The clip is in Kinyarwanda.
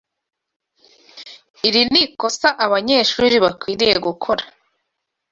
Iri ni ikosa abanyeshuri bakwiriye gukora.